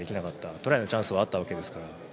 トライのチャンスはあったわけですから。